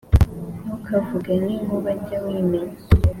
Ntukavuge nki nkuba jya wimenya